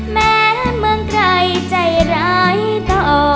แม้เมืองไกลใจร้ายต่อ